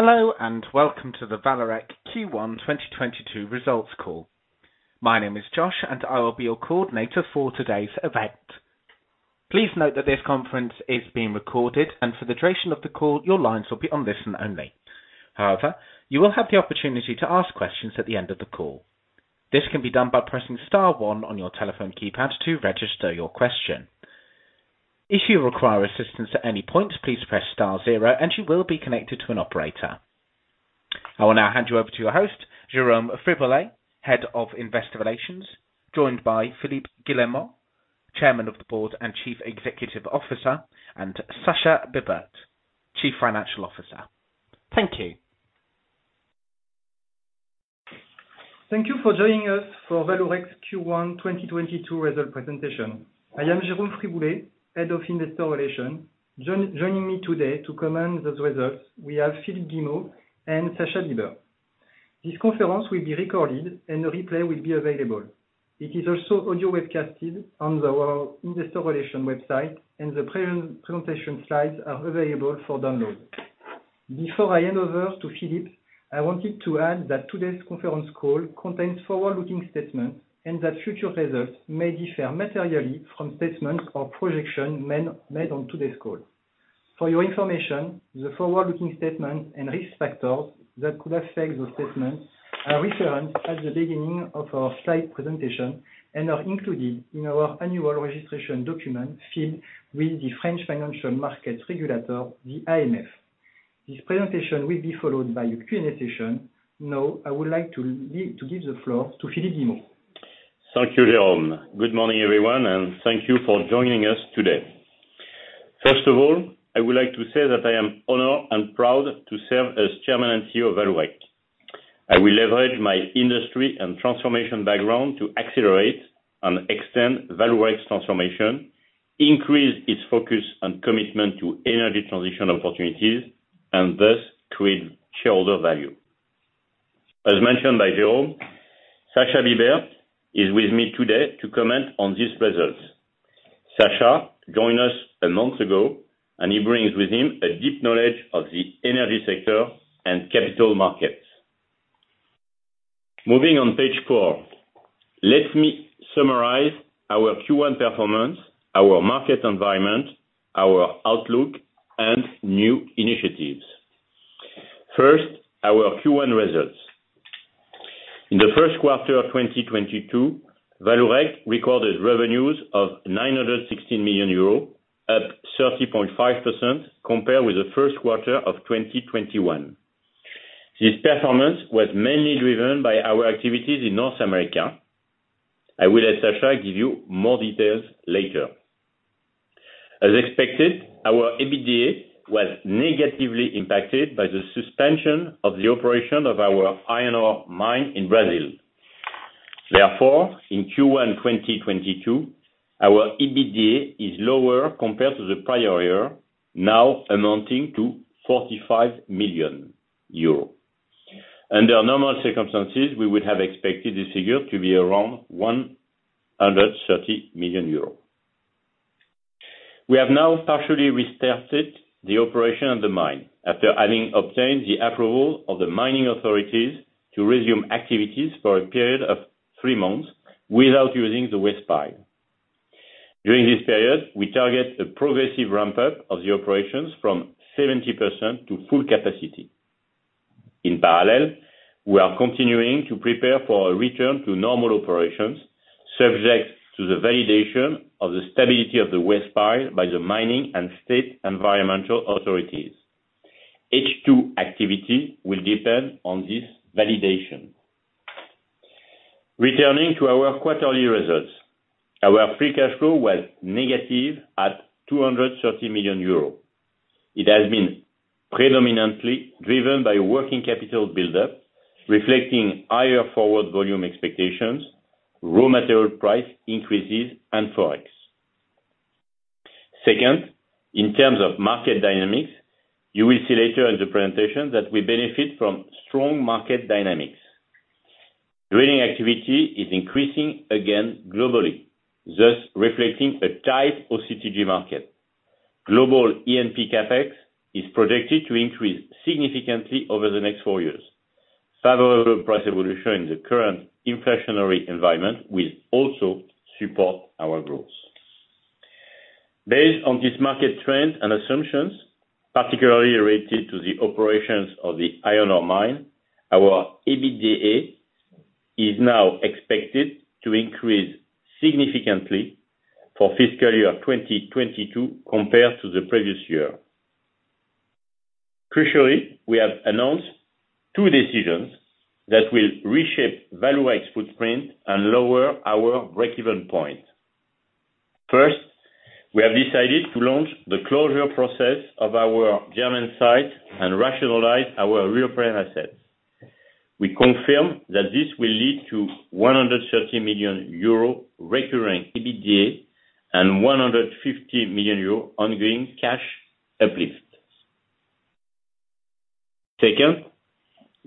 Hello, and welcome to the Vallourec Q1 2022 results call. My name is Josh, and I will be your coordinator for today's event. Please note that this conference is being recorded, and for the duration of the call, your lines will be on listen only. However, you will have the opportunity to ask questions at the end of the call. This can be done by pressing star one on your telephone keypad to register your question. If you require assistance at any point, please press star zero and you will be connected to an operator. I will now hand you over to your host, Jérôme Friboulet, Head of Investor Relations, joined by Philippe Guillemot, Chairman of the Board and Chief Executive Officer, and Sascha Bibert, Chief Financial Officer. Thank you. Thank you for joining us for Vallourec's Q1 2022 result presentation. I am Jérôme Friboulet, Head of Investor Relations. Joining me today to comment on those results, we have Philippe Guillemot and Sascha Bibert. This conference will be recorded and a replay will be available. It is also audio webcasted on our investor relations website, and the presentation slides are available for download. Before I hand over to Philippe, I wanted to add that today's conference call contains forward-looking statements, and that future results may differ materially from statements or projections made on today's call. For your information, the forward-looking statements and risk factors that could affect those statements are referenced at the beginning of our slide presentation and are included in our annual registration document filed with the French financial markets regulator, the AMF. This presentation will be followed by a Q&A session. Now, I would like to give the floor to Philippe Guillemot. Thank you, Jérôme. Good morning, everyone, and thank you for joining us today. First of all, I would like to say that I am honored and proud to serve as Chairman and CEO of Vallourec. I will leverage my industry and transformation background to accelerate and extend Vallourec's transformation, increase its focus and commitment to energy transition opportunities, and thus create shareholder value. As mentioned by Jérôme, Sascha Bibert is with me today to comment on these results. Sascha joined us a month ago, and he brings with him a deep knowledge of the energy sector and capital markets. Moving on page four, let me summarize our Q1 performance, our market environment, our outlook, and new initiatives. First, our Q1 results. In the first quarter of 2022, Vallourec recorded revenues of 960 million euros, up 30.5% compared with the first quarter of 2021. This performance was mainly driven by our activities in North America. I will let Sacha give you more details later. As expected, our EBITDA was negatively impacted by the suspension of the operation of our iron ore mine in Brazil. Therefore, in Q1 2022, our EBITDA is lower compared to the prior year, now amounting to 45 million euros. Under normal circumstances, we would have expected this figure to be around 130 million euros. We have now partially restarted the operation of the mine after having obtained the approval of the mining authorities to resume activities for a period of three months without using the waste pile. During this period, we target a progressive ramp up of the operations from 70% to full capacity. In parallel, we are continuing to prepare for a return to normal operations, subject to the validation of the stability of the waste pile by the mining and state environmental authorities. H2 activity will depend on this validation. Returning to our quarterly results, our free cash flow was -230 million euros. It has been predominantly driven by working capital buildup, reflecting higher forward volume expectations, raw material price increases, and Forex. Second, in terms of market dynamics, you will see later in the presentation that we benefit from strong market dynamics. Drilling activity is increasing again globally, thus reflecting a tight OCTG market. Global E&P CapEx is projected to increase significantly over the next four years. Favorable price evolution in the current inflationary environment will also support our growth. Based on this market trend and assumptions, particularly related to the operations of the iron ore mine, our EBITDA is now expected to increase significantly for fiscal year 2022 compared to the previous year. Crucially, we have announced two decisions that will reshape Vallourec's footprint and lower our breakeven point. First, we have decided to launch the closure process of our German site and rationalize our Rio Grande assets. We confirm that this will lead to 130 million euro recurring EBITDA and 150 million euro ongoing cash uplift. Second,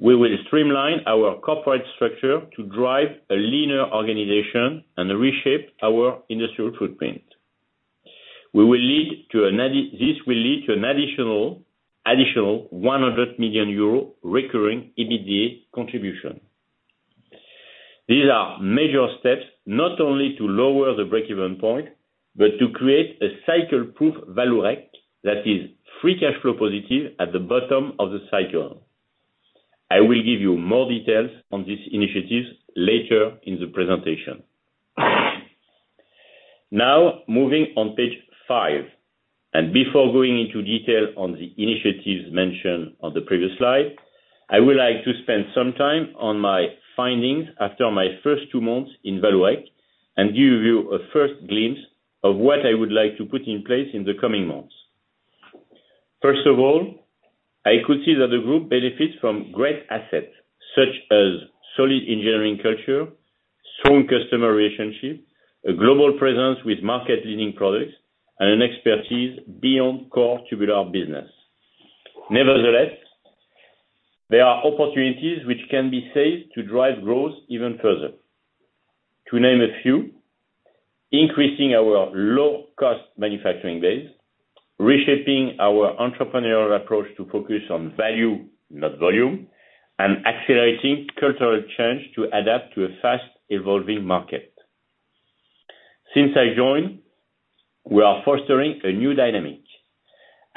we will streamline our corporate structure to drive a leaner organization and reshape our industrial footprint. This will lead to an additional 100 million euro recurring EBITDA contribution. These are major steps not only to lower the breakeven point, but to create a cycle-proof value add that is free cash flow positive at the bottom of the cycle. I will give you more details on these initiatives later in the presentation. Now moving on page five, and before going into detail on the initiatives mentioned on the previous slide, I would like to spend some time on my findings after my first two months in Vallourec, and give you a first glimpse of what I would like to put in place in the coming months. First of all, I could see that the group benefits from great assets such as solid engineering culture, strong customer relationship, a global presence with market-leading products, and an expertise beyond core tubular business. Nevertheless, there are opportunities which can be seized to drive growth even further. To name a few, increasing our low cost manufacturing base, reshaping our entrepreneurial approach to focus on value, not volume, and accelerating cultural change to adapt to a fast evolving market. Since I joined, we are fostering a new dynamic,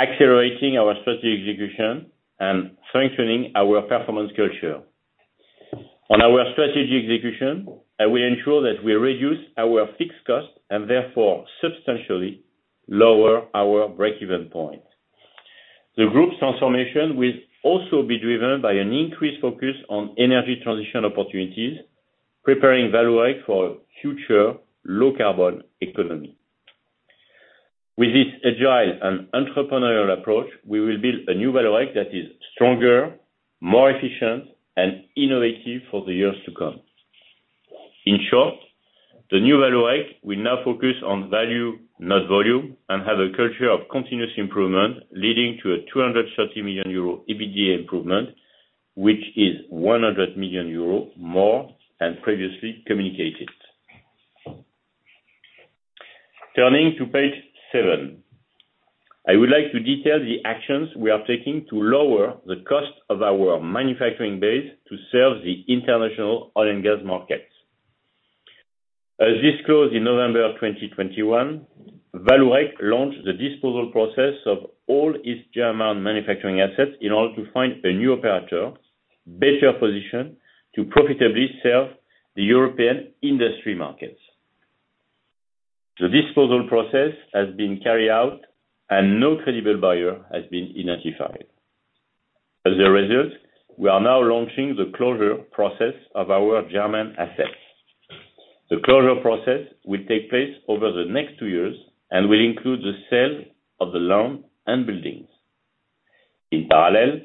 accelerating our strategy execution and strengthening our performance culture. On our strategy execution, I will ensure that we reduce our fixed cost and therefore substantially lower our breakeven point. The group's transformation will also be driven by an increased focus on energy transition opportunities, preparing Vallourec for future low carbon economy. With this agile and entrepreneurial approach, we will build a new Vallourec that is stronger, more efficient, and innovative for the years to come. In short, the new Vallourec will now focus on value, not volume, and have a culture of continuous improvement, leading to an 230 million euro EBITDA improvement, which is 100 million euro more than previously communicated. Turning to page seven. I would like to detail the actions we are taking to lower the cost of our manufacturing base to serve the international oil and gas markets. As disclosed in November 2021, Vallourec launched the disposal process of all its German manufacturing assets in order to find a new operator better positioned to profitably serve the European industry markets. The disposal process has been carried out, and no credible buyer has been identified. As a result, we are now launching the closure process of our German assets. The closure process will take place over the next two years and will include the sale of the land and buildings. In parallel,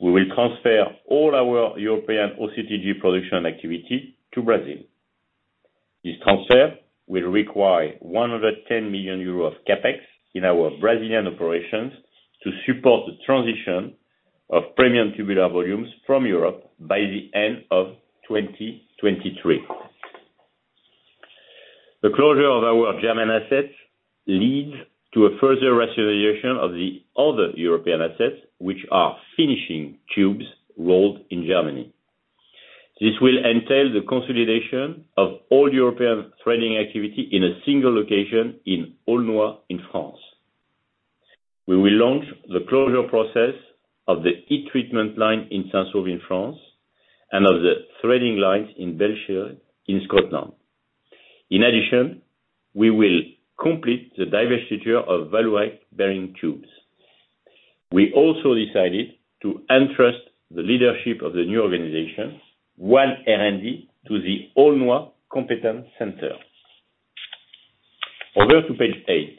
we will transfer all our European OCTG production activity to Brazil. This transfer will require 110 million euros of CapEx in our Brazilian operations to support the transition of premium tubular volumes from Europe by the end of 2023. The closure of our German assets leads to a further rationalization of the other European assets which are finishing tubes rolled in Germany. This will entail the consolidation of all European threading activity in a single location in Aulnoye, in France. We will launch the closure process of the heat treatment line in Saint-Saulve in France, and of the threading lines in Bellshill, in Scotland. In addition, we will complete the divestiture of Vallourec Bearing Tubes. We also decided to entrust the leadership of the new organization, our R&D, to the Aulnoye Competence Center. Over to page eight.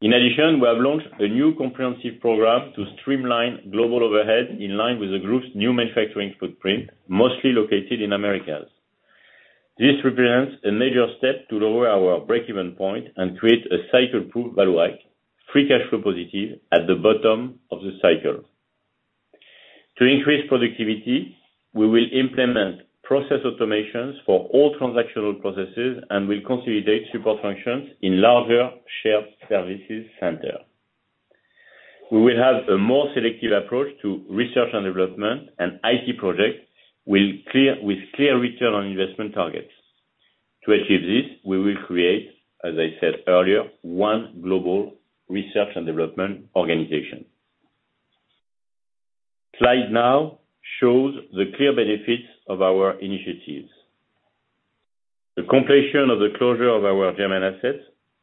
In addition, we have launched a new comprehensive program to streamline global overhead in line with the group's new manufacturing footprint, mostly located in the Americas. This represents a major step to lower our breakeven point and create a cycle-proof Vallourec, free cash flow positive at the bottom of the cycle. To increase productivity, we will implement process automations for all transactional processes and will consolidate support functions in larger shared services center. We will have a more selective approach to research and development and IT projects with clear return on investment targets. To achieve this, we will create, as I said earlier, one global research and development organization. The slide now shows the clear benefits of our initiatives. The completion of the closure of our German assets,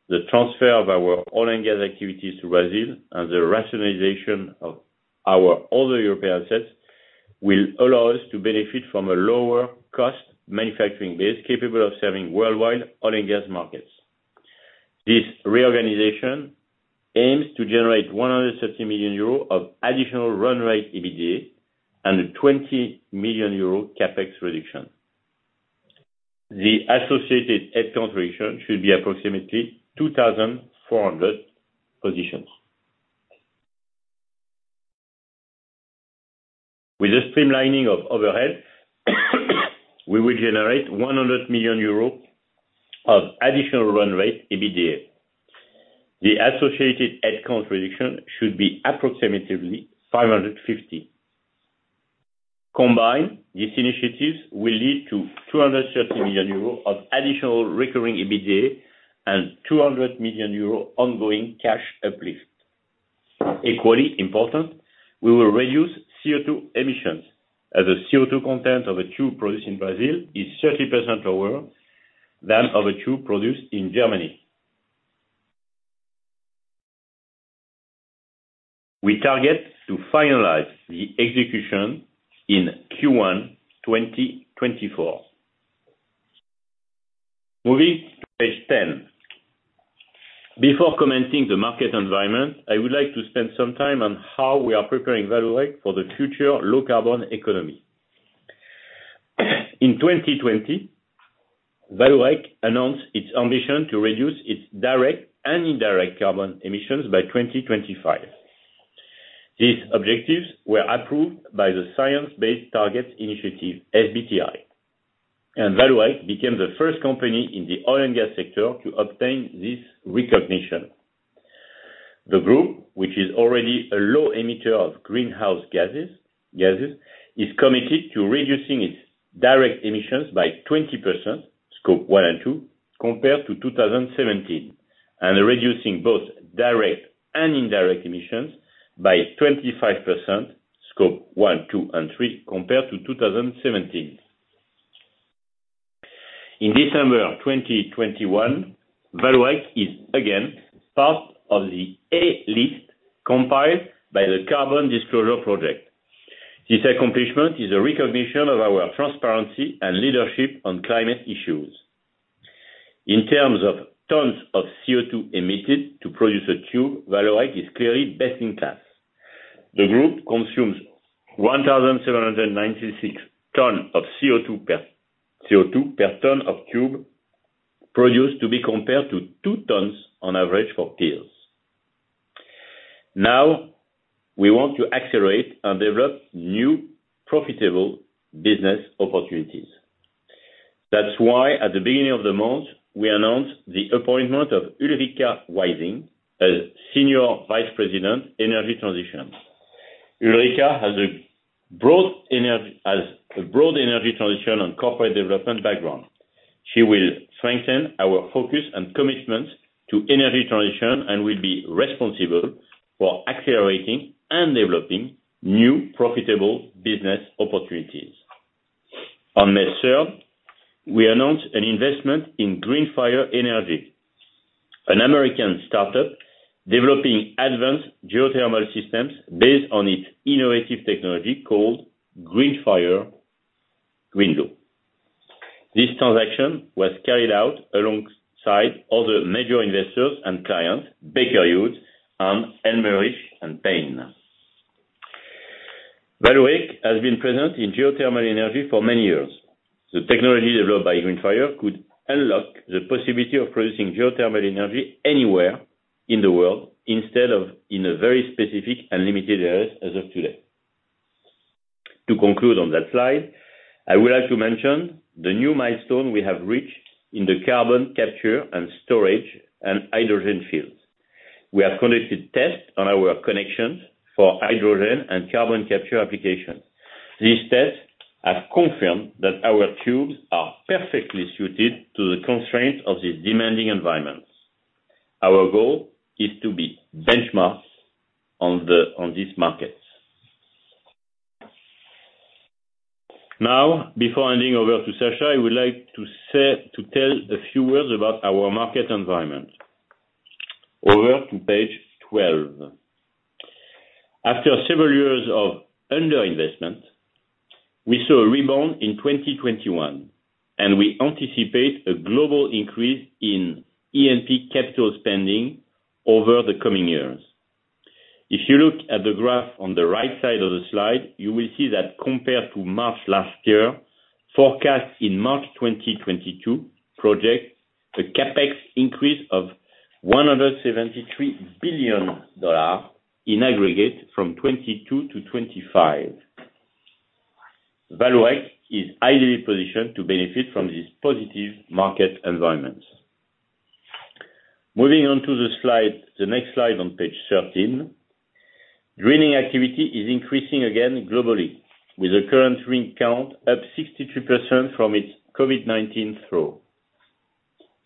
the transfer of our oil and gas activities to Brazil, and the rationalization of our other European assets will allow us to benefit from a lower cost manufacturing base capable of serving worldwide oil and gas markets. This reorganization aims to generate 130 million euros of additional run rate EBITDA and a 20 million euro CapEx reduction. The associated headcount reduction should be approximately 2,400 positions. With the streamlining of overhead, we will generate 100 million euros of additional run rate EBITDA. The associated headcount reduction should be approximately 550. Combined, these initiatives will lead to 230 million euros of additional recurring EBITDA and 200 million euros ongoing cash uplift. Equally important, we will reduce CO2 emissions as the CO2 content of a tube produced in Brazil is 30% lower than of a tube produced in Germany. We target to finalize the execution in Q1 2024. Moving to page 10. Before commenting the market environment, I would like to spend some time on how we are preparing Vallourec for the future low carbon economy. In 2020, Vallourec announced its ambition to reduce its direct and indirect carbon emissions by 2025. These objectives were approved by the Science Based Targets Initiative, SBTi, and Vallourec became the first company in the oil and gas sector to obtain this recognition. The group, which is already a low emitter of greenhouse gases, is committed to reducing its direct emissions by 20%, Scope 1 and 2, compared to 2017, and reducing both direct and indirect emissions by 25%, Scope 1, 2, and 3, compared to 2017. In December 2021, Vallourec is again part of the A list compiled by the Carbon Disclosure Project. This accomplishment is a recognition of our transparency and leadership on climate issues. In terms of tons of CO2 emitted to produce a tube, Vallourec is clearly best in class. The group consumes 1,796 ton of CO2 per ton of tube produced to be compared to 2 tons on average for peers. Now, we want to accelerate and develop new profitable business opportunities. That's why at the beginning of the month, we announced the appointment of Ulrika Wising as Senior Vice President, Energy Transition. Ulrika has a broad energy transition and corporate development background. She will strengthen our focus and commitment to energy transition and will be responsible for accelerating and developing new profitable business opportunities. On May third, we announced an investment in GreenFire Energy, an American startup developing advanced geothermal systems based on its innovative technology called GreenFire Windle. This transaction was carried out alongside other major investors and clients, Baker Hughes and Helmerich & Payne. Vallourec has been present in geothermal energy for many years. The technology developed by GreenFire could unlock the possibility of producing geothermal energy anywhere in the world instead of in a very specific and limited areas as of today. To conclude on that slide, I would like to mention the new milestone we have reached in the carbon capture and storage and hydrogen fields. We have conducted tests on our connections for hydrogen and carbon capture application. These tests have confirmed that our tubes are perfectly suited to the constraints of these demanding environments. Our goal is to be benchmarks on these markets. Now, before handing over to Sascha, I would like to tell a few words about our market environment. Over to page 12. After several years of under-investment, we saw a rebound in 2021, and we anticipate a global increase in E&P capital spending over the coming years. If you look at the graph on the right side of the slide, you will see that compared to March last year, forecast in March 2022 projects a CapEx increase of $173 billion in aggregate from 2022 to 2025. Vallourec is ideally positioned to benefit from this positive market environment. Moving on to the slide, the next slide on page 13. Drilling activity is increasing again globally, with the current rig count up 63% from its COVID-19 trough.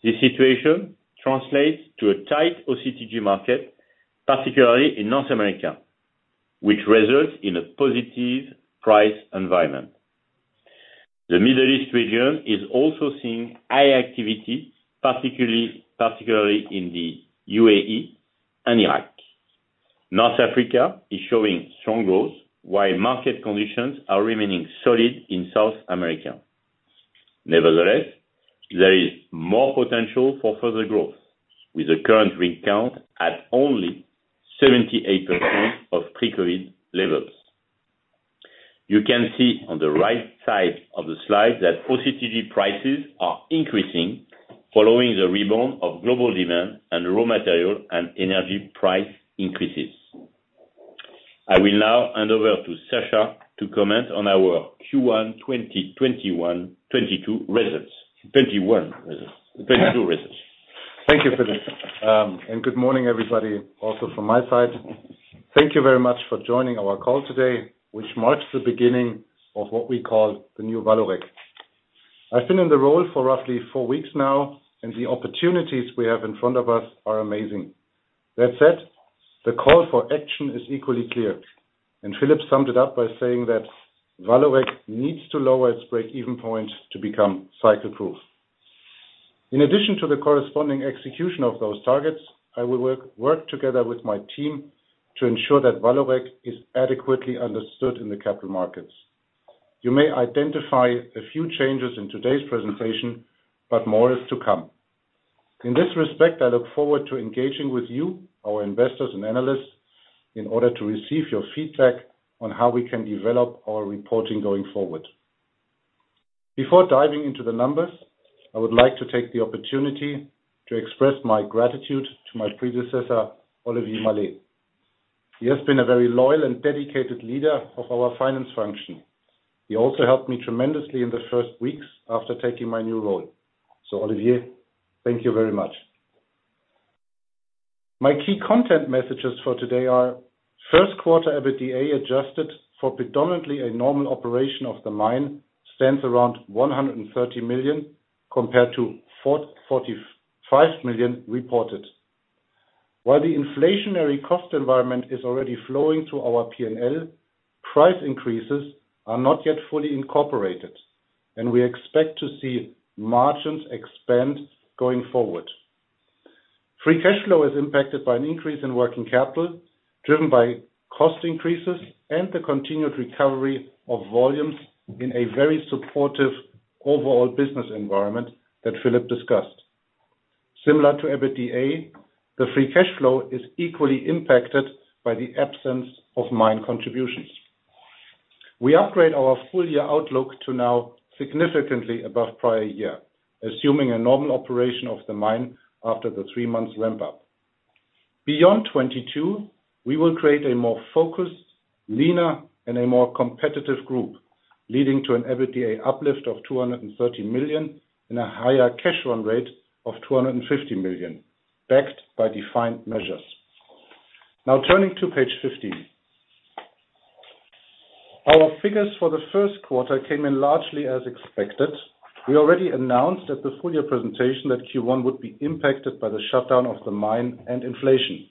This situation translates to a tight OCTG market, particularly in North America, which results in a positive price environment. The Middle East region is also seeing high activity, particularly in the UAE and Iraq. North Africa is showing strong growth, while market conditions are remaining solid in South America. Nevertheless, there is more potential for further growth with the current rig count at only 78% of pre-COVID levels. You can see on the right side of the slide that OCTG prices are increasing, following the rebound of global demand and raw material and energy price increases. I will now hand over to Sascha to comment on our Q1 2022 results. Thank you, Philippe. Good morning, everybody, also from my side. Thank you very much for joining our call today, which marks the beginning of what we call the new Vallourec. I've been in the role for roughly four weeks now, and the opportunities we have in front of us are amazing. That said, the call for action is equally clear, and Philippe summed it up by saying that Vallourec needs to lower its break-even point to become cycle proof. In addition to the corresponding execution of those targets, I will work together with my team to ensure that Vallourec is adequately understood in the capital markets. You may identify a few changes in today's presentation, but more is to come. In this respect, I look forward to engaging with you, our investors and analysts, in order to receive your feedback on how we can develop our reporting going forward. Before diving into the numbers, I would like to take the opportunity to express my gratitude to my predecessor, Olivier Mallet. He has been a very loyal and dedicated leader of our finance function. He also helped me tremendously in the first weeks after taking my new role. Olivier, thank you very much. My key content messages for today are first quarter EBITDA adjusted for predominantly a normal operation of the mill, stands around 130 million, compared to 45 million reported. While the inflationary cost environment is already flowing through our P&L, price increases are not yet fully incorporated, and we expect to see margins expand going forward. Free cash flow is impacted by an increase in working capital, driven by cost increases and the continued recovery of volumes in a very supportive overall business environment that Philippe discussed. Similar to EBITDA, the free cash flow is equally impacted by the absence of mine contributions. We upgrade our full year outlook to now significantly above prior year, assuming a normal operation of the mine after the three month ramp up. Beyond 2022, we will create a more focused, leaner, and a more competitive group, leading to an EBITDA uplift of 230 million and a higher cash run rate of 250 million, backed by defined measures. Now, turning to page 15. Our figures for the first quarter came in largely as expected. We already announced at the full year presentation that Q1 would be impacted by the shutdown of the mine and inflation.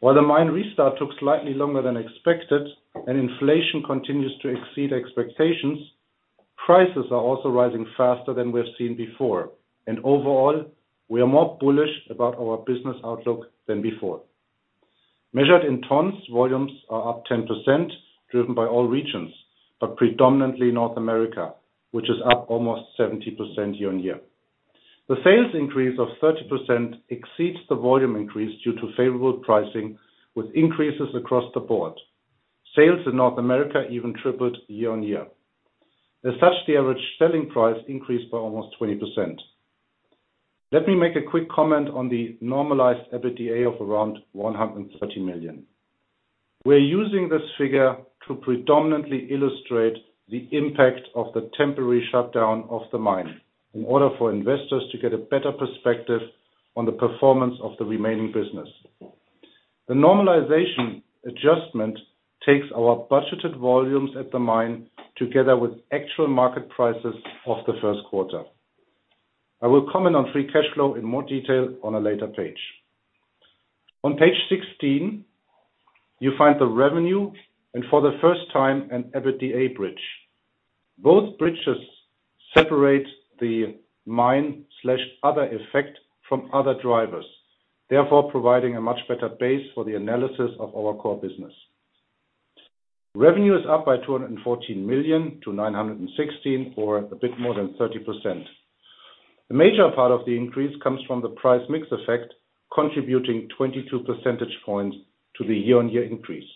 While the mine restart took slightly longer than expected and inflation continues to exceed expectations, prices are also rising faster than we have seen before, and overall, we are more bullish about our business outlook than before. Measured in tons, volumes are up 10%, driven by all regions, but predominantly North America, which is up almost 70% year-on-year. The sales increase of 30% exceeds the volume increase due to favorable pricing with increases across the board. Sales in North America even tripled year-on-year. As such, the average selling price increased by almost 20%. Let me make a quick comment on the normalized EBITDA of around 130 million. We're using this figure to predominantly illustrate the impact of the temporary shutdown of the mine in order for investors to get a better perspective on the performance of the remaining business. The normalization adjustment takes our budgeted volumes at the mine together with actual market prices of the first quarter. I will comment on free cash flow in more detail on a later page. On page 16, you find the revenue, and for the first time, an EBITDA bridge. Both bridges separate the mine/other effect from other drivers, therefore providing a much better base for the analysis of our core business. Revenue is up by 214 million to 916 million, or a bit more than 30%. The major part of the increase comes from the price mix effect, contributing 22 percentage points to the year-on-year increase.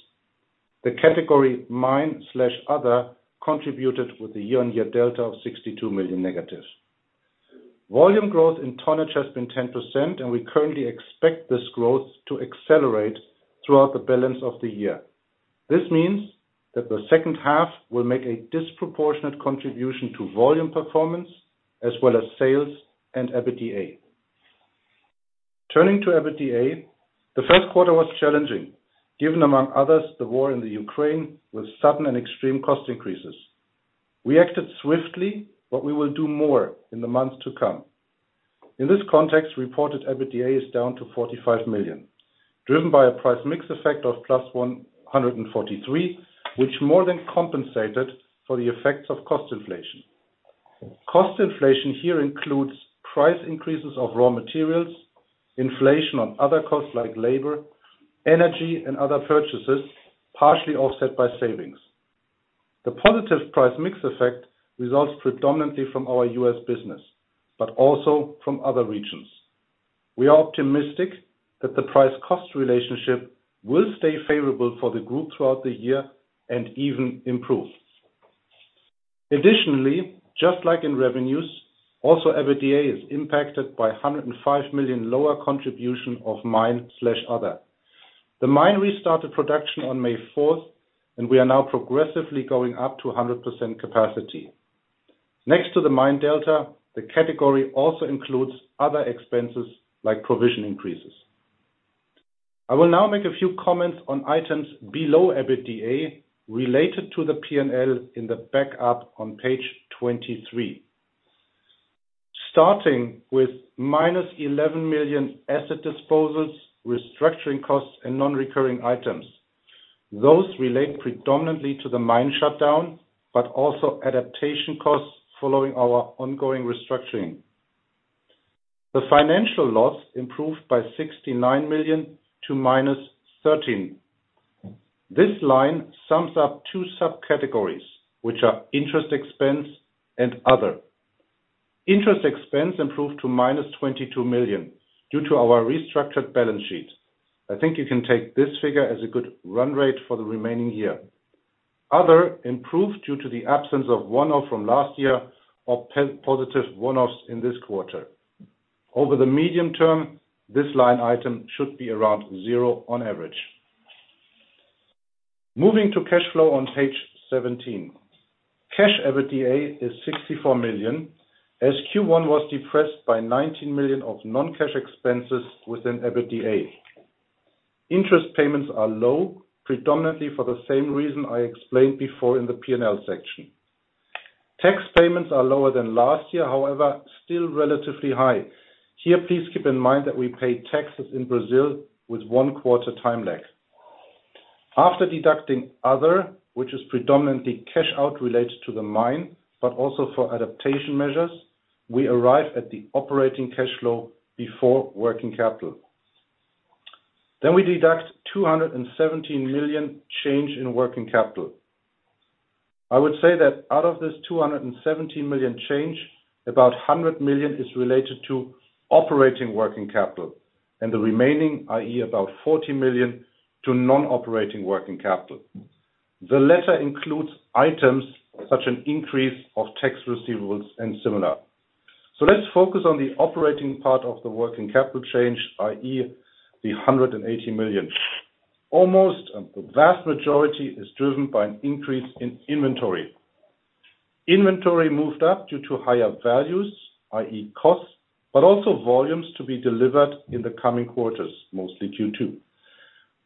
The category mine/other contributed with a year-on-year delta of 62 million negative. Volume growth in tonnage has been 10%, and we currently expect this growth to accelerate throughout the balance of the year. This means that the second half will make a disproportionate contribution to volume performance as well as sales and EBITDA. Turning to EBITDA, the first quarter was challenging, given among others, the war in the Ukraine with sudden and extreme cost increases. We acted swiftly, but we will do more in the months to come. In this context, reported EBITDA is down to 45 million, driven by a price mix effect of +143, which more than compensated for the effects of cost inflation. Cost inflation here includes price increases of raw materials, inflation on other costs like labor, energy, and other purchases, partially offset by savings. The positive price mix effect results predominantly from our U.S. business, but also from other regions. We are optimistic that the price cost relationship will stay favorable for the group throughout the year and even improve. Additionally, just like in revenues, also EBITDA is impacted by 105 million lower contribution of mine plus other. The mine restarted production on May 4, and we are now progressively going up to 100% capacity. Next to the mine delta, the category also includes other expenses like provision increases. I will now make a few comments on items below EBITDA related to the P&L in the backup on page 23. Starting with -11 million asset disposals, restructuring costs, and non-recurring items. Those relate predominantly to the mine shutdown, but also adaptation costs following our ongoing restructuring. The financial loss improved by 69 million to -13 million. This line sums up two sub-categories, which are interest expense and other. Interest expense improved to -22 million due to our restructured balance sheet. I think you can take this figure as a good run rate for the remaining year. Other improved due to the absence of one-off from last year or positive one-offs in this quarter. Over the medium term, this line item should be around zero on average. Moving to cash flow on page 17. Cash EBITDA is 64 million, as Q1 was depressed by 19 million of non-cash expenses within EBITDA. Interest payments are low, predominantly for the same reason I explained before in the P&L section. Tax payments are lower than last year, however, still relatively high. Here, please keep in mind that we pay taxes in Brazil with one-quarter time lag. After deducting other, which is predominantly cash out related to the mine, but also for adaptation measures, we arrive at the operating cash flow before working capital. Then we deduct 217 million change in working capital. I would say that out of this 217 million change, about 100 million is related to operating working capital and the remaining, i.e., about 40 million to non-operating working capital. The letter includes items such as an increase of tax receivables and similar. Let's focus on the operating part of the working capital change, i.e., the 180 million. Almost a vast majority is driven by an increase in inventory. Inventory moved up due to higher values, i.e., costs, but also volumes to be delivered in the coming quarters, mostly Q2.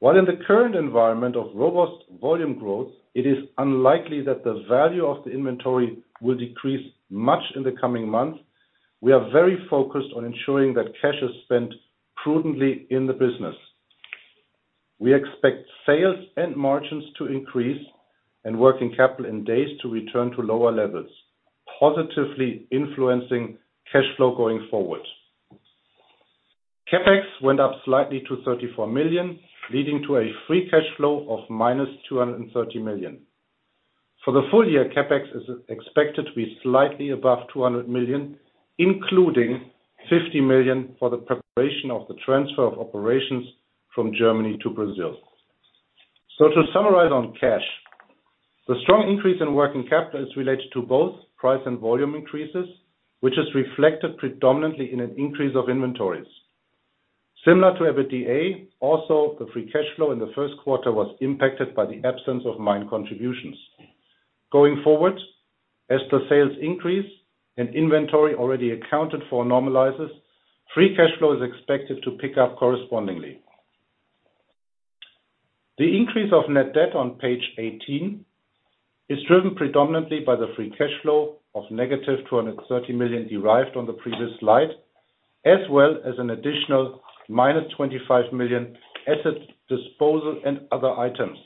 While in the current environment of robust volume growth, it is unlikely that the value of the inventory will decrease much in the coming months, we are very focused on ensuring that cash is spent prudently in the business. We expect sales and margins to increase and working capital in days to return to lower levels, positively influencing cash flow going forward. CapEx went up slightly to 34 million, leading to a free cash flow of -230 million. For the full year, CapEx is expected to be slightly above 200 million, including 50 million for the preparation of the transfer of operations from Germany to Brazil. To summarize on cash, the strong increase in working capital is related to both price and volume increases, which is reflected predominantly in an increase of inventories. Similar to EBITDA, also the free cash flow in the first quarter was impacted by the absence of mine contributions. Going forward, as the sales increase and inventory already accounted for normalizes, free cash flow is expected to pick up correspondingly. The increase of net debt on page 18 is driven predominantly by the free cash flow of -230 million derived on the previous slide, as well as an additional -25 million asset disposal and other items.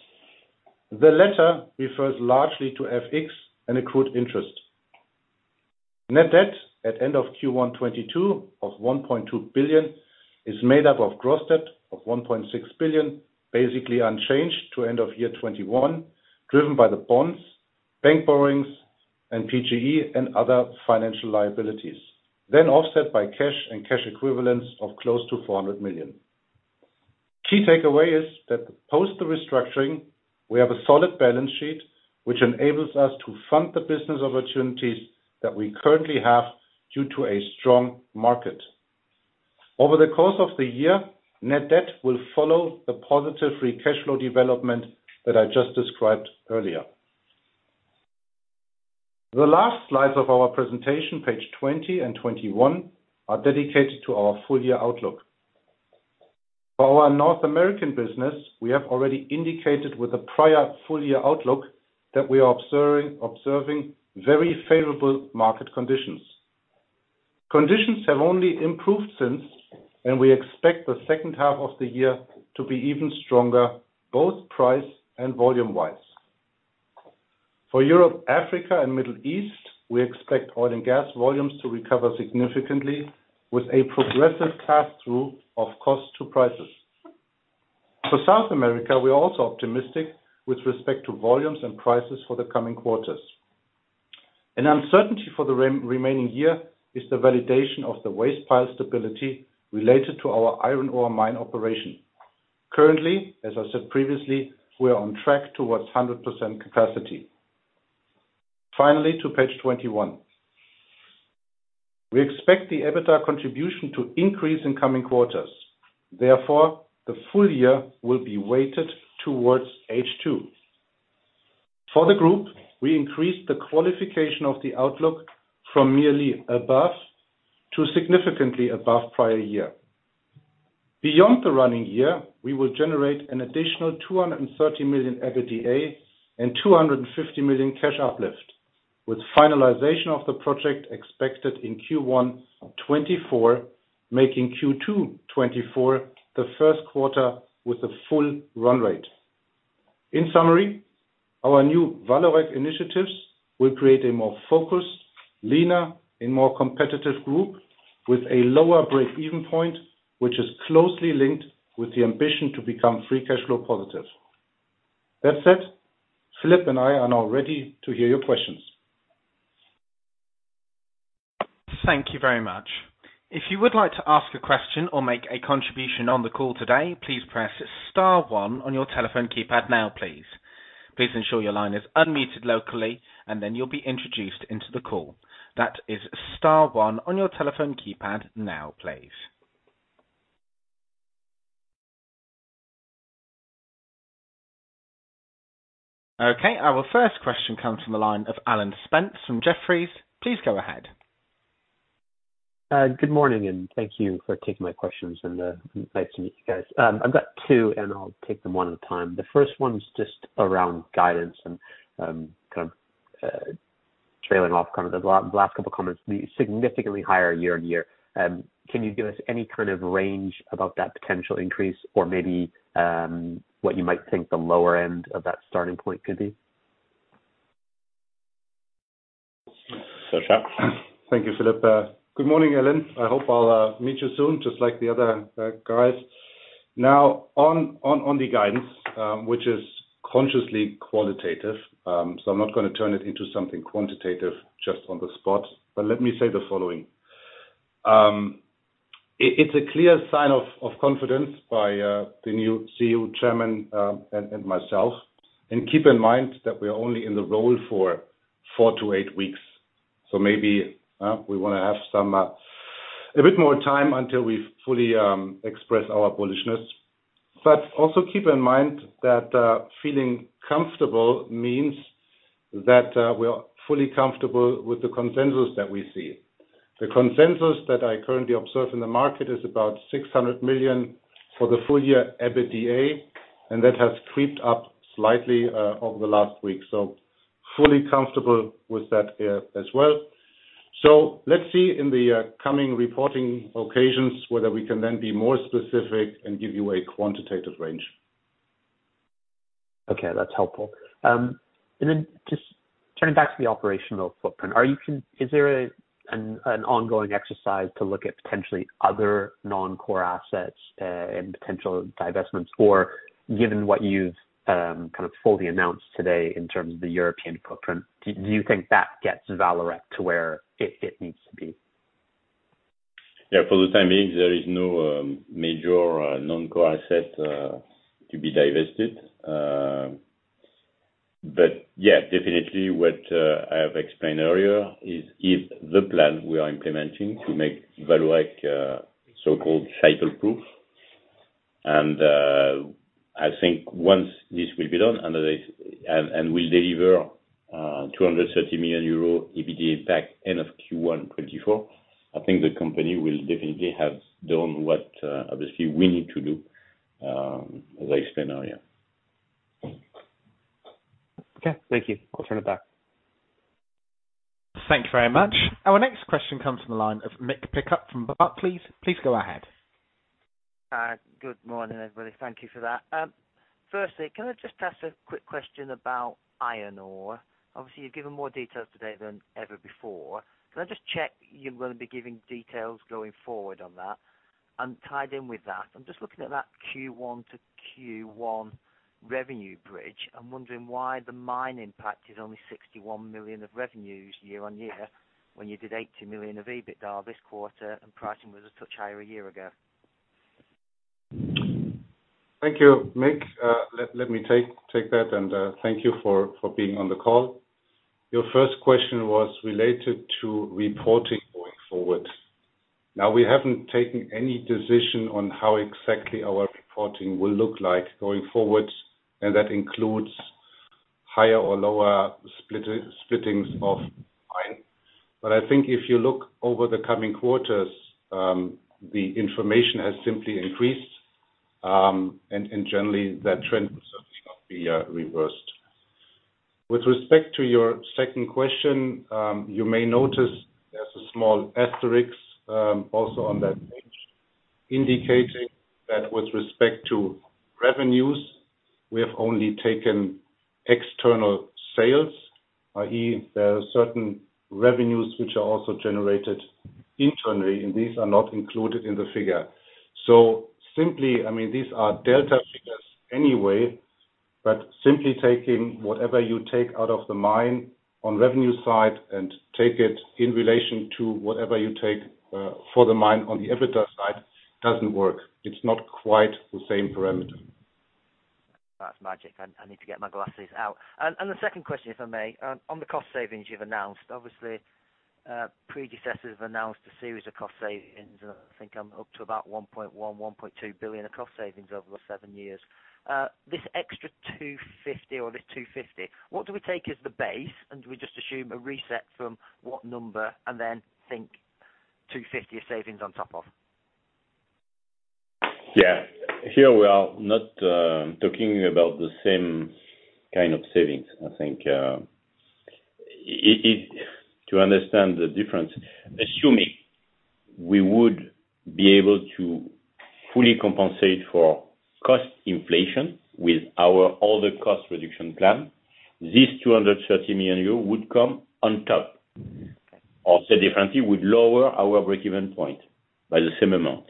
The latter refers largely to FX and accrued interest. Net debt at end of Q1 2022 of 1.2 billion is made up of gross debt of 1.6 billion, basically unchanged to end of year 2021, driven by the bonds, bank borrowings, and PGE and other financial liabilities, then offset by cash and cash equivalents of close to 400 million. Key takeaway is that post the restructuring, we have a solid balance sheet which enables us to fund the business opportunities that we currently have due to a strong market. Over the course of the year, net debt will follow the positive free cash flow development that I just described earlier. The last slides of our presentation, page 20 and 21, are dedicated to our full-year outlook. For our North American business, we have already indicated with a prior full-year outlook that we are observing very favorable market conditions. Conditions have only improved since, and we expect the second half of the year to be even stronger, both price and volume-wise. For Europe, Africa, and Middle East, we expect oil and gas volumes to recover significantly with a progressive pass-through of cost to prices. For South America, we are also optimistic with respect to volumes and prices for the coming quarters. An uncertainty for the remaining year is the validation of the waste pile stability related to our iron ore mine operation. Currently, as I said previously, we are on track towards 100% capacity. Finally, to page 21. We expect the EBITDA contribution to increase in coming quarters. Therefore, the full year will be weighted towards H2. For the group, we increased the qualification of the outlook from merely above to significantly above prior year. Beyond the running year, we will generate an additional 230 million EBITDA and 250 million cash uplift, with finalization of the project expected in Q1 2024, making Q2 2024 the first quarter with the full run rate. In summary, our new Vallourec initiatives will create a more focused, leaner and more competitive group with a lower break-even point, which is closely linked with the ambition to become free cash flow positive. That's it. Philippe and I are now ready to hear your questions. Thank you very much. If you would like to ask a question or make a contribution on the call today, please press star one on your telephone keypad now, please. Please ensure your line is unmuted locally and then you'll be introduced into the call. That is star one on your telephone keypad now, please. Okay, our first question comes from the line of Alan Spence from Jefferies. Please go ahead. Good morning and thank you for taking my questions, and, nice to meet you guys. I've got two and I'll take them one at a time. The first one's just around guidance and, kind of, trailing off kind of the last couple comments, the significantly higher year-over-year. Can you give us any kind of range about that potential increase or maybe, what you might think the lower end of that starting point could be? Philippe. Thank you, Philippe. Good morning, Alan. I hope I'll meet you soon, just like the other guys. Now, on the guidance, which is consciously qualitative, I'm not gonna turn it into something quantitative just on the spot, but let me say the following. It is a clear sign of confidence by the new CEO chairman, and myself. Keep in mind that we're only in the role for four weeks. Maybe we wanna have some a bit more time until we fully express our bullishness. Also keep in mind that feeling comfortable means that we are fully comfortable with the consensus that we see. The consensus that I currently observe in the market is about 600 million for the full year EBITDA, and that has crept up slightly, over the last week, so fully comfortable with that, as well. Let's see in the coming reporting occasions whether we can then be more specific and give you a quantitative range. Okay, that's helpful. Just turning back to the operational footprint, is there an ongoing exercise to look at potentially other non-core assets and potential divestments? Or given what you've kind of fully announced today in terms of the European footprint, do you think that gets Vallourec to where it needs to be? Yeah, for the time being there is no major non-core asset to be divested. Yeah, definitely what I have explained earlier is if the plan we are implementing to make Vallourec so-called cycle proof and I think once this will be done and we deliver 230 million euro EBITDA back end of Q1 2024, I think the company will definitely have done what obviously we need to do, as I explained earlier. Okay. Thank you. I'll turn it back. Thank you very much. Our next question comes from the line of Mick Pickup from Barclays. Please go ahead. Good morning, everybody. Thank you for that. Firstly, can I just ask a quick question about iron ore? Obviously you've given more details today than ever before. Can I just check you're gonna be giving details going forward on that? Tied in with that, I'm just looking at that Q1 to Q1 revenue bridge. I'm wondering why the mine impact is only 61 million of revenues year-on-year, when you did 80 million of EBITDA this quarter and pricing was a touch higher a year ago. Thank you, Mick. Let me take that and thank you for being on the call. Your first question was related to reporting going forward. Now, we haven't taken any decision on how exactly our reporting will look like going forward, and that includes higher or lower split or splitting of mining. I think if you look over the coming quarters, the information has simply increased, and generally that trend will certainly not be reversed. With respect to your second question, you may notice there's a small asterisk also on that page, indicating that with respect to revenues. We have only taken external sales. Here there are certain revenues which are also generated internally, and these are not included in the figure. Simply, I mean, these are delta figures anyway, but simply taking whatever you take out of the mine on revenue side and take it in relation to whatever you take for the mine on the EBITDA side, doesn't work. It's not quite the same parameter. That's magic. I need to get my glasses out. The second question, if I may, on the cost savings you've announced. Obviously, predecessors have announced a series of cost savings. I think I'm up to about 1.2 billion of cost savings over the seven years. This extra 250 or this 250, what do we take as the base? Do we just assume a reset from what number and then think 250 of savings on top of? Here we are not talking about the same kind of savings. I think, to understand the difference, assuming we would be able to fully compensate for cost inflation with our other cost reduction plan, this 230 million euros would come on top. Say differently, we lower our breakeven point by the same amount.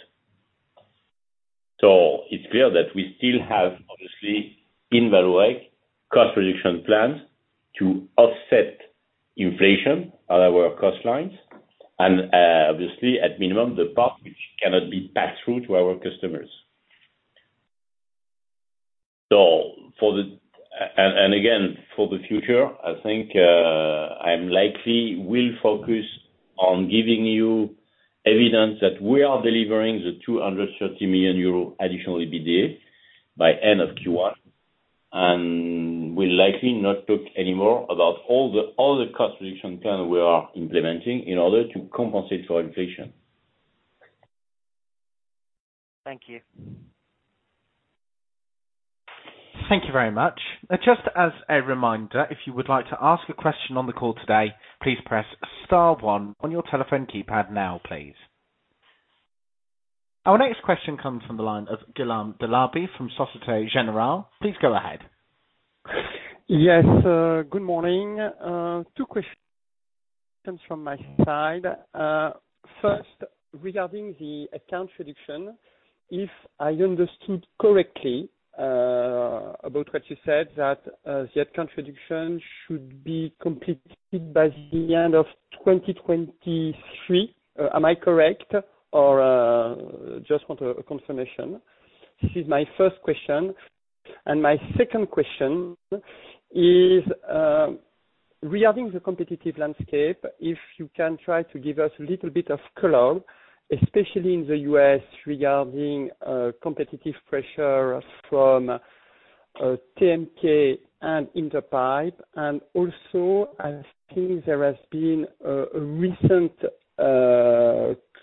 It's clear that we still have, obviously, in Vallourec, cost reduction plans to offset inflation on our cost lines and, obviously at minimum, the part which cannot be passed through to our customers. Again, for the future, I think, I'm likely will focus on giving you evidence that we are delivering the 230 million euro additional EBITDA by end of Q1. We'll likely not talk anymore about all the cost reduction plan we are implementing in order to compensate for inflation. Thank you. Thank you very much. Just as a reminder, if you would like to ask a question on the call today, please press star one on your telephone keypad now, please. Our next question comes from the line of Guillaume Delaby from Société Générale. Please go ahead. Yes, good morning. Two questions from my side. First, regarding the account prediction, if I understood correctly, about what you said that the account prediction should be completed by the end of 2023. Am I correct? Or just want a confirmation. This is my first question. My second question is, regarding the competitive landscape, if you can try to give us a little bit of color, especially in the U.S., regarding competitive pressure from TMK and Interpipe, and also I think there has been a recent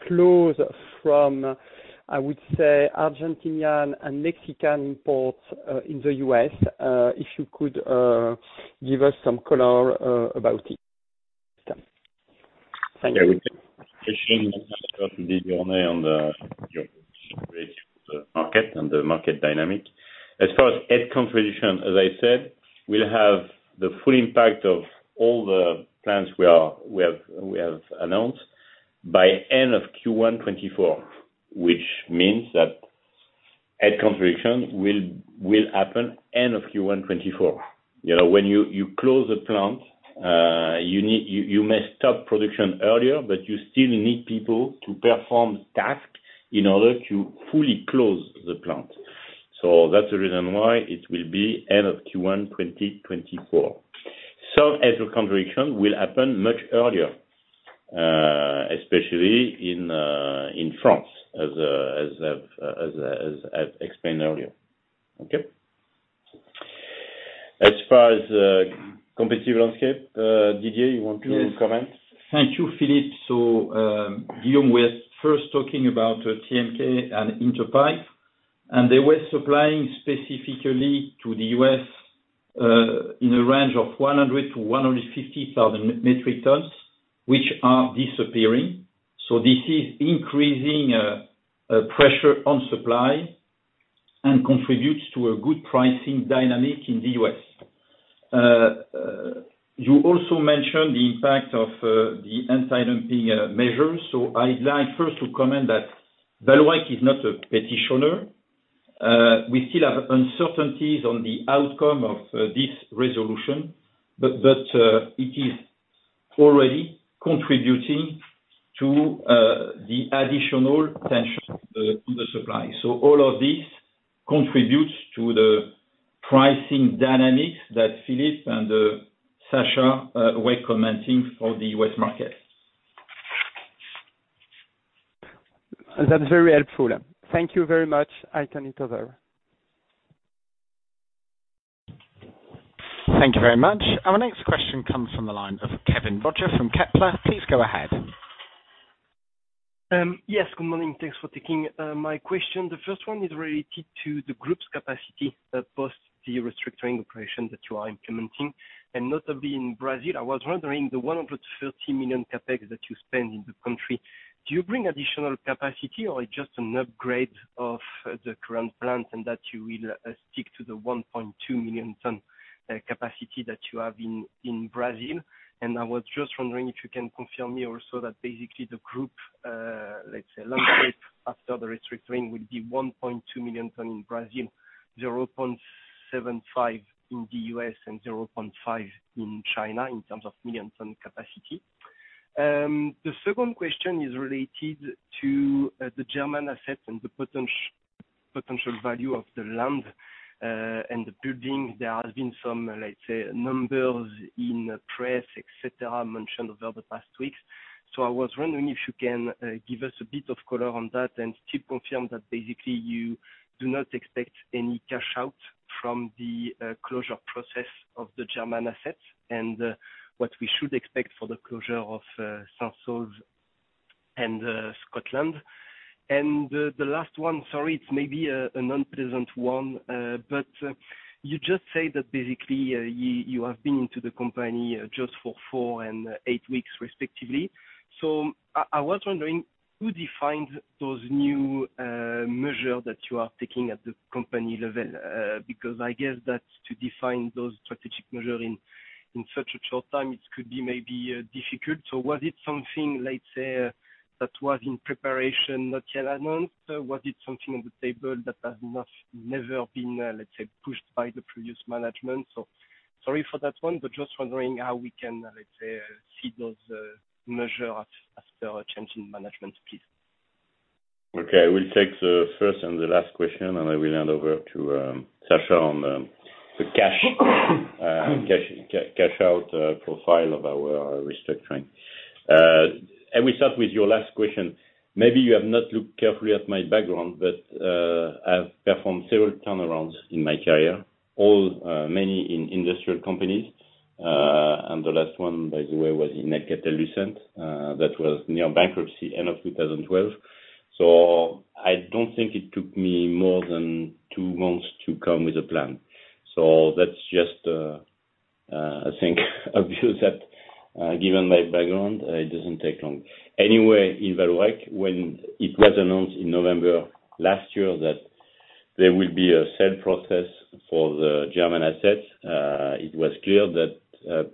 closure from, I would say Argentine and Mexican ports in the U.S. If you could give us some color about it. Thank you. Yeah, we can. Question on your market and the market dynamic. As far as headcount, as I said, we'll have the full impact of all the plans we have announced by end of Q1 2024. Which means that headcount will happen end of Q1 2024. You know, when you close a plant, you may stop production earlier, but you still need people to perform tasks in order to fully close the plant. That's the reason why it will be end of Q1 2024. Some headcount will happen much earlier, especially in France, as I explained earlier. Okay? As far as competitive landscape, Didier, you want to comment? Yes. Thank you, Philippe. Guillaume, we're first talking about TMK and Interpipe, and they were supplying specifically to the U.S. in a range of 100,000-150,000 metric tons, which are disappearing. This is increasing pressure on supply and contributes to a good pricing dynamic in the U.S. You also mentioned the impact of the anti-dumping measures. I'd like first to comment that Vallourec is not a petitioner. We still have uncertainties on the outcome of this resolution, but it is already contributing to the additional tension to the supply. All of this contributes to the pricing dynamics that Philippe and Sascha are recommending for the U.S. market. That's very helpful. Thank you very much. I can recover. Thank you very much. Our next question comes from the line of Kevin Roger from Kepler. Please go ahead. Yes, good morning. Thanks for taking my question. The first one is related to the group's capacity that post the restructuring operation that you are implementing and notably in Brazil. I was wondering the 150 million CapEx that you spend in the country, do you bring additional capacity or it's just an upgrade of the current plant and that you will stick to the 1.2 million ton capacity that you have in Brazil? I was just wondering if you can confirm me also that basically the group, let's say, landscape after the restructuring would be 1.2 million ton in Brazil, 0.75 in the U.S., and 0.5 in China in terms of million ton capacity. The second question is related to the German assets and the potential value of the land and the building. There has been some, let's say, numbers in press, et cetera, mentioned over the past weeks. I was wondering if you can give us a bit of color on that, and Steve confirmed that basically you do not expect any cash out from the closure process of the German assets and what we should expect for the closure of Saint-Saulve and Scotland. The last one, sorry, it's maybe a non-pleasant one. But you just say that basically you have been into the company just for four and eight weeks respectively. I was wondering who defined those new measure that you are taking at the company level. Because I guess that to define those strategic measure in such a short time, it could be maybe difficult. Was it something, let's say, that was in preparation, not yet announced? Was it something on the table that has not never been, let's say, pushed by the previous management? Sorry for that one, but just wondering how we can, let's say, see those measure as the change in management, please. Okay. I will take the first and the last question, and I will hand over to Sascha on the cash out profile of our restructuring. I will start with your last question. Maybe you have not looked carefully at my background, but I've performed several turnarounds in my career, all many in industrial companies. The last one, by the way, was in Alcatel-Lucent that was near bankruptcy end of 2012. I don't think it took me more than two months to come with a plan. That's just, I think, obvious that given my background it doesn't take long. Anyway, in Vallourec, when it was announced in November last year that there will be a sale process for the German assets, it was clear that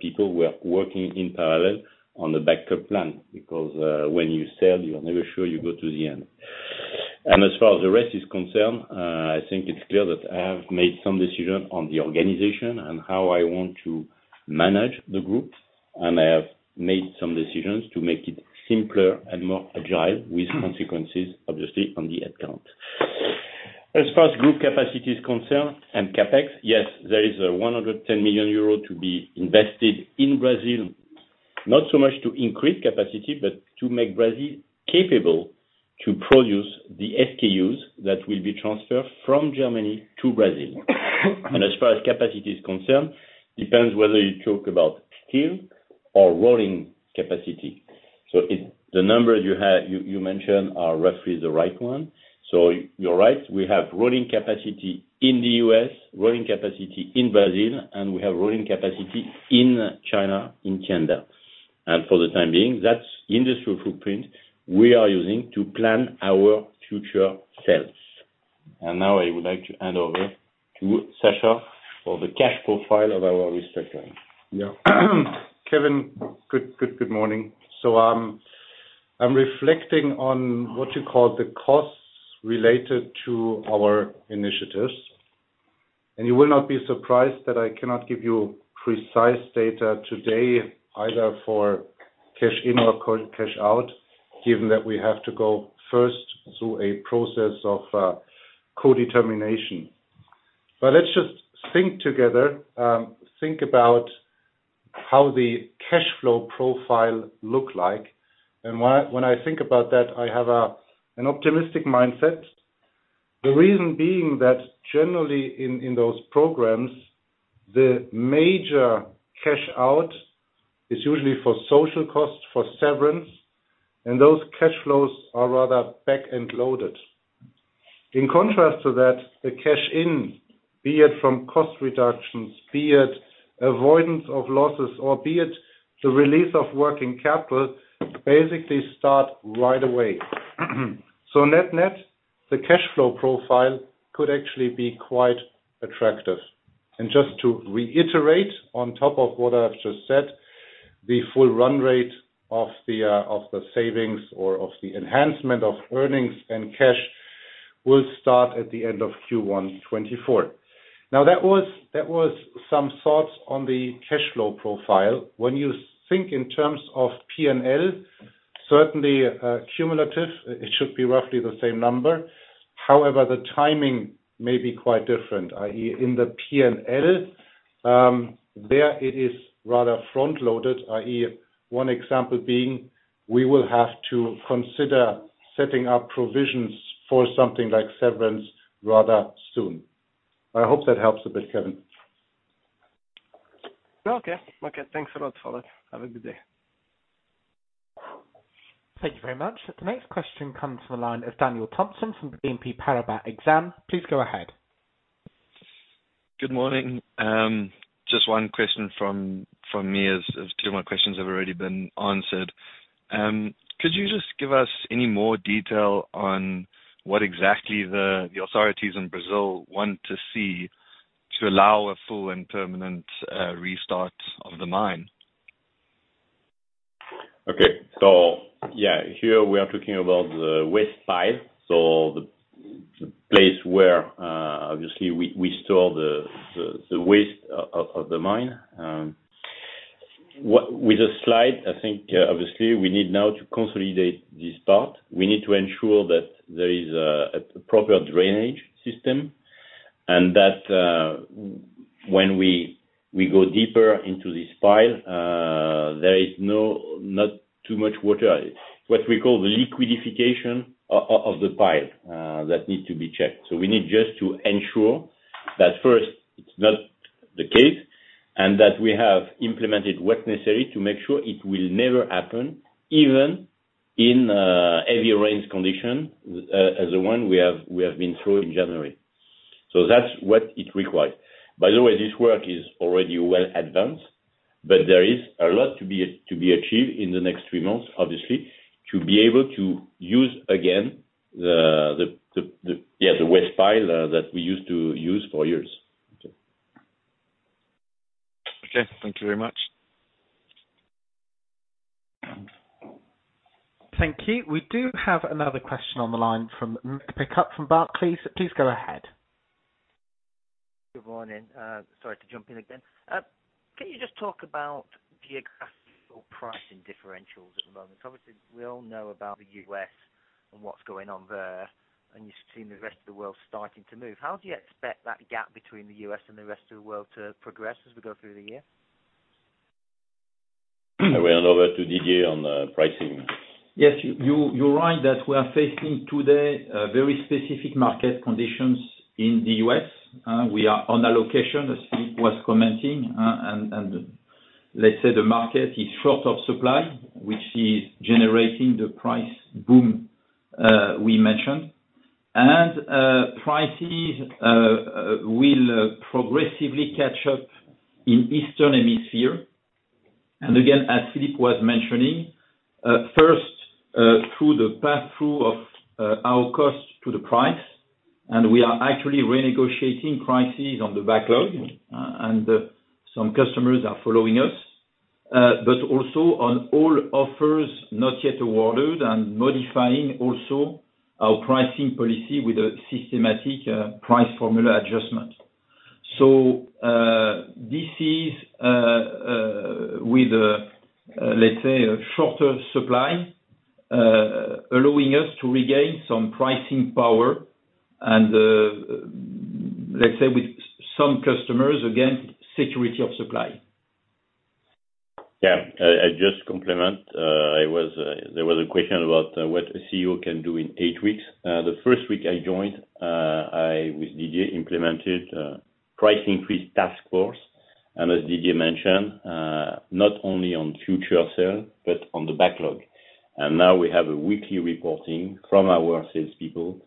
people were working in parallel on the backup plan, because when you sell, you're never sure you go to the end. As far as the rest is concerned, I think it's clear that I have made some decisions on the organization and how I want to manage the group, and I have made some decisions to make it simpler and more agile with consequences, obviously, on the head count. As far as group capacity is concerned and CapEx, yes, there is 110 million euro to be invested in Brazil, not so much to increase capacity, but to make Brazil capable to produce the SKUs that will be transferred from Germany to Brazil. As far as capacity is concerned, it depends whether you talk about steel or rolling capacity. The numbers you mentioned are roughly the right one. You're right, we have rolling capacity in the U.S., rolling capacity in Brazil, and we have rolling capacity in China, in Tianda. For the time being, that's industrial footprint we are using to plan our future sales. Now I would like to hand over to Sascha for the cash flow profile of our restructuring. Yeah. Kevin, good morning. I'm reflecting on what you call the costs related to our initiatives. You will not be surprised that I cannot give you precise data today either for cash in or cash out, given that we have to go first through a process of co-determination. Let's just think together, think about how the cash flow profile look like. When I think about that, I have an optimistic mindset. The reason being that generally in those programs, the major cash out is usually for social costs for severance, and those cash flows are rather back-end loaded. In contrast to that, the cash in, be it from cost reductions, be it avoidance of losses or be it the release of working capital, basically start right away. Net-net, the cash flow profile could actually be quite attractive. Just to reiterate on top of what I have just said, the full run rate of the savings or of the enhancement of earnings and cash will start at the end of Q1 2024. Now that was some thoughts on the cash flow profile. When you think in terms of P&L, certainly, cumulative, it should be roughly the same number. However, the timing may be quite different, i.e., in the P&L, there it is rather front-loaded, i.e., one example being we will have to consider setting up provisions for something like severance rather soon. I hope that helps a bit, Kevin. Okay. Thanks a lot, Philippe. Have a good day. Thank you very much. The next question comes from the line of Daniel Thompson from BNP Paribas Exane. Please go ahead. Good morning. Just one question from me as two of my questions have already been answered. Could you just give us any more detail on what exactly the authorities in Brazil want to see to allow a full and permanent restart of the mine? Okay. Yeah, here we are talking about the waste pile, the place where obviously we store the waste of the mine. With the slide, I think obviously we need now to consolidate this part. We need to ensure that there is a proper drainage system, and that when we go deeper into this pile, there is not too much water. What we call the liquefaction of the pile that need to be checked. We need just to ensure that first it's not the case, and that we have implemented what's necessary to make sure it will never happen even in heavy rains condition, as the one we have been through in January. That's what it requires. By the way, this work is already well advanced, but there is a lot to be achieved in the next three months, obviously, to be able to use again, yeah, the waste pile that we used to use for years. Okay. Okay. Thank you very much. Thank you. We do have another question on the line from Mick Pickup from Barclays. Please go ahead. Good morning. Sorry to jump in again. Can you just talk about geographical pricing differentials at the moment? Obviously, we all know about the U.S. and what's going on there, and you're seeing the rest of the world starting to move. How do you expect that gap between the U.S. and the rest of the world to progress as we go through the year? I hand over to Didier on pricing. Yes. You're right that we are facing today a very specific market conditions in the U.S., we are on allocation, as Philippe was commenting, and let's say the market is short of supply, which is generating the price boom we mentioned. Prices will progressively catch up in Eastern Hemisphere. Again, as Philippe was mentioning, first through the pass-through of our costs to the price, and we are actually renegotiating prices on the backlog, and some customers are following us, but also on all offers not yet awarded and modifying also our pricing policy with a systematic price formula adjustment. This is with let's say a shorter supply allowing us to regain some pricing power and let's say with some customers, again, security of supply. Yeah. I just comment. There was a question about what a CEO can do in eight weeks. The first week I joined, I with Didier implemented a price increase task force, and as Didier mentioned, not only on future sales, but on the backlog. Now we have a weekly reporting from our salespeople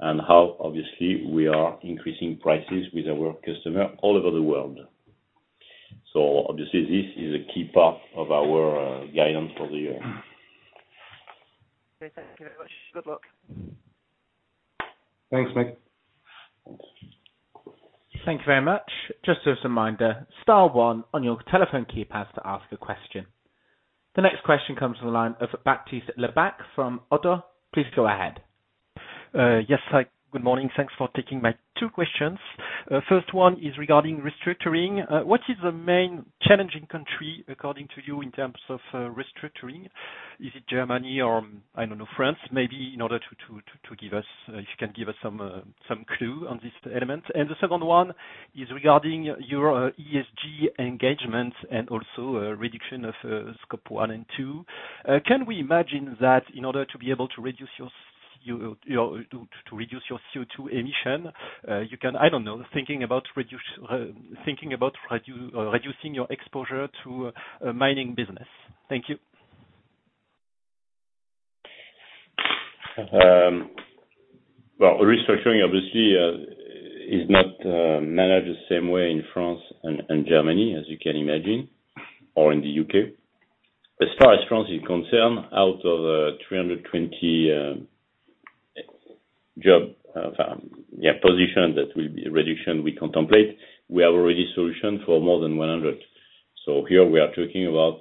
on how obviously we are increasing prices with our customers all over the world. Obviously this is a key part of our guidance for the year. Okay. Thank you very much. Good luck. Thanks, Nick. Thank you very much. Just as a reminder, star one on your telephone keypad to ask a question. The next question comes from the line of Baptiste Lebacq from ODDO. Please go ahead. Yes. Hi, good morning. Thanks for taking my two questions. First one is regarding restructuring. What is the main challenging country according to you in terms of restructuring? Is it Germany or, I don't know, France? Maybe in order to give us some clue on this element. The second one is regarding your ESG engagement and also reduction of Scope 1 and 2. Can we imagine that in order to be able to reduce your CO2 emission, you can, I don't know, thinking about reducing your exposure to a mining business. Thank you. Well, restructuring obviously is not managed the same way in France and Germany, as you can imagine, or in the U.K. As far as France is concerned, out of 320 job positions that will be reduced we contemplate, we have already solutioned for more than 100. Here we are talking about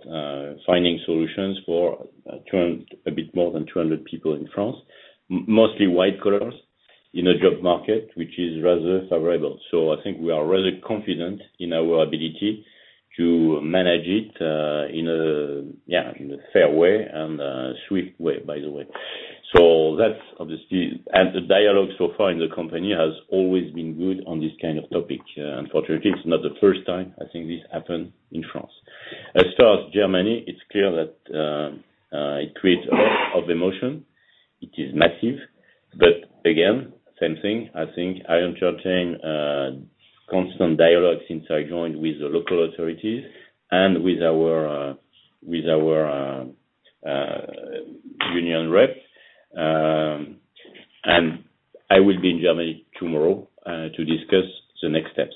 finding solutions for a bit more than 200 people in France, mostly white collars in a job market which is rather favorable. I think we are rather confident in our ability to manage it in a fair way and swift way, by the way. That's obviously. The dialogue so far in the company has always been good on this kind of topic. Unfortunately, it's not the first time I think this happened in France. As far as Germany, it's clear that it creates a lot of emotion. It is massive. Again, same thing, I think I entertain constant dialogue since I joined with the local authorities and with our union rep. I will be in Germany tomorrow to discuss the next steps.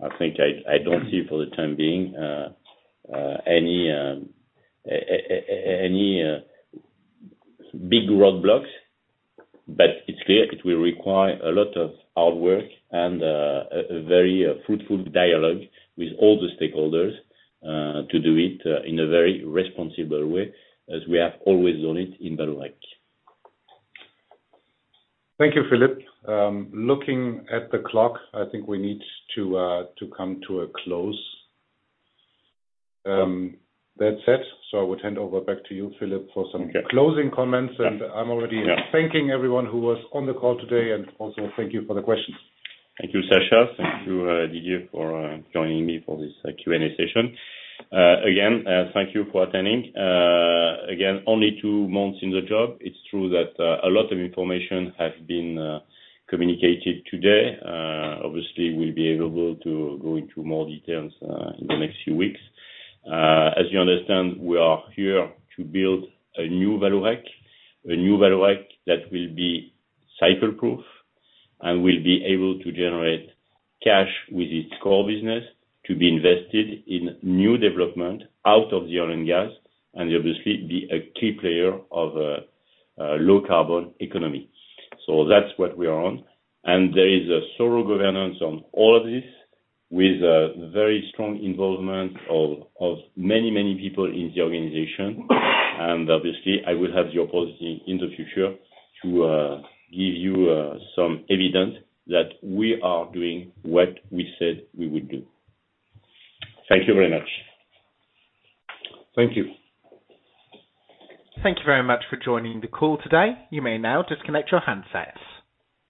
I think I don't see for the time being any big roadblocks, but it's clear it will require a lot of hard work and a very fruitful dialogue with all the stakeholders to do it in a very responsible way, as we have always done it in Vallourec. Thank you, Philippe. Looking at the clock, I think we need to come to a close. That said, I would hand over back to you, Philippe, for some closing comments. I'm already thanking everyone who was on the call today, and also thank you for the questions. Thank you, Sascha. Thank you, Didier, for joining me for this Q&A session. Again, thank you for attending. Again, only two months in the job, it's true that a lot of information has been communicated today. Obviously, we'll be able to go into more details in the next few weeks. As you understand, we are here to build a new Vallourec, a new Vallourec that will be cycle proof and will be able to generate cash with its core business to be invested in new development out of the oil and gas, and obviously be a key player of a low carbon economy. That's what we are on. There is a thorough governance on all of this with a very strong involvement of many people in the organization. Obviously, I will have the opportunity in the future to give you some evidence that we are doing what we said we would do. Thank you very much. Thank you. Thank you very much for joining the call today. You may now disconnect your handsets.